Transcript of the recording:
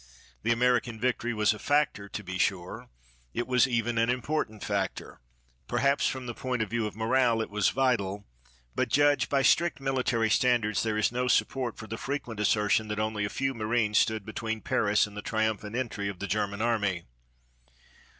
The American victory was a factor, to be sure. It was even an important factor. Perhaps, from the point of view of morale, it was vital, but judged by strict military standards there is no support for the frequent assertion that only a few marines stood between Paris and the triumphant entry of the German Army.